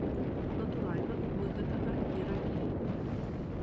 Натуральна мы гэтага не рабілі.